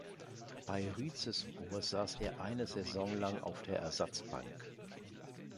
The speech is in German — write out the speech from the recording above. Bei Rizespor saß er eine Saison lang auf der Ersatzbank.